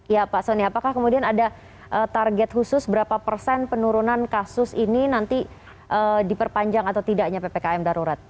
ya pak soni apakah kemudian ada target khusus berapa persen penurunan kasus ini nanti diperpanjang atau tidaknya ppkm darurat